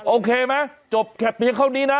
โอเคไหมจบแค่เพียงเท่านี้นะ